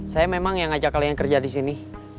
saya memang yang ngajak kalian kerja disini